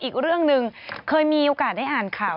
อีกเรื่องหนึ่งเคยมีโอกาสได้อ่านข่าว